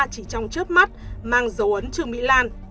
cho trương mỹ lan